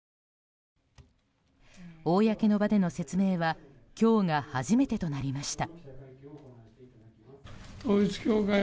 公の場での説明は今日が初めてとなりました。